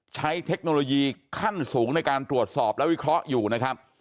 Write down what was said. เทคโนโลยีขั้นสูงในการตรวจสอบและวิเคราะห์อยู่นะครับ